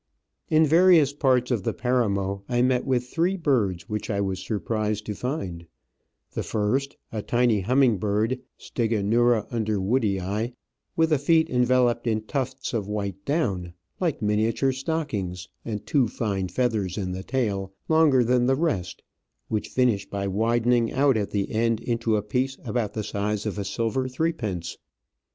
In various parts of the Paramo I met with three birds which I was surprised to find : the first a tiny humming bird, Siegamcra Underwoodii, with the feet enveloped in tufts of white down, like miniature stockings, and two fine feathers in the tail longer than the rest, which finish by widening out at the end into a piece about the size of a silver three pence.